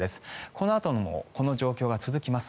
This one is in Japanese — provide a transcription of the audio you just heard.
このあともこの状況は続きます。